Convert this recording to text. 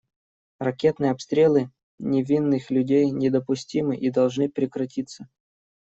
Ракетные обстрелы невинных людей недопустимы и должны прекратиться.